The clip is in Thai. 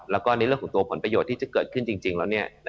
แล้วก็ในเรื่องของตัวผลประโยชน์ที่จะเกิดขึ้นจริงแล้ว